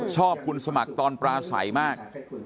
ชอบคุณสมัครตอนปราศัยมาก